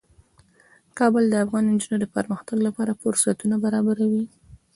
کابل د افغان نجونو د پرمختګ لپاره فرصتونه برابروي.